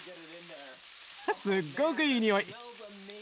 すっごくいいにおい！